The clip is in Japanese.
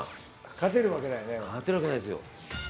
勝てるわけないですよ。